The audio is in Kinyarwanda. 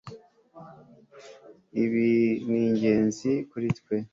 Ibi ni ingenzi kuri twe